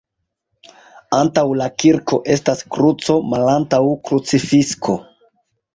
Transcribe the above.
Antaŭ la kirko estas kruco malantaŭ krucifikso.